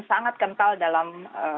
sangat kental dalam